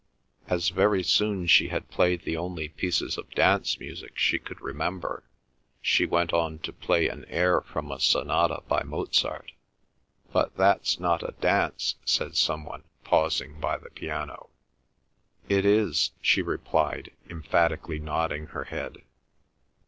As very soon she had played the only pieces of dance music she could remember, she went on to play an air from a sonata by Mozart. "But that's not a dance," said some one pausing by the piano. "It is," she replied, emphatically nodding her head.